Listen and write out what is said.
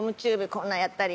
こんなんやったり。